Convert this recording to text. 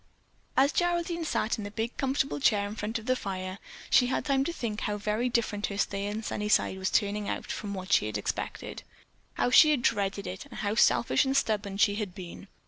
As Geraldine sat in the big comfortable chair in front of the fire, she had time to think how very different her stay in Sunnyside was turning out from what she had expected. How she had dreaded it, and how selfish and stubborn she had been!